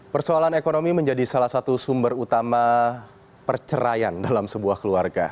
persoalan ekonomi menjadi salah satu sumber utama perceraian dalam sebuah keluarga